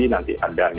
nanti ada misalnya